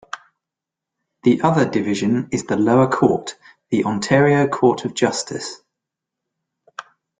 The other division is the lower court, the Ontario Court of Justice.